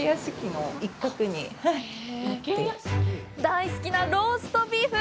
大好きなローストビーフ。